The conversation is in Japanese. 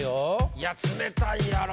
いや冷たいやろ。